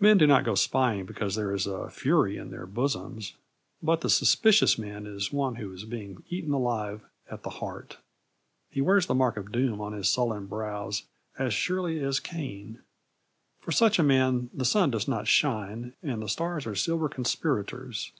Men do not go spying because there is a fury in their bosoms, but the suspicious man is one who is being eaten alive at the heart. He wears the mark of doom on his sullen brows as surely as Cain. For such a man the sun does not shine and the stars are silver conspirators.